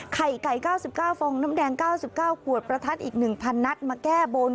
ไก่๙๙ฟองน้ำแดง๙๙ขวดประทัดอีก๑๐๐นัดมาแก้บน